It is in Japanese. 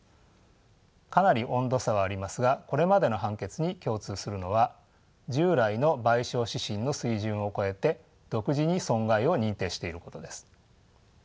かなり温度差はありますがこれまでの判決に共通するのは従来の賠償指針の水準を超えて独自に損害を認定していることです。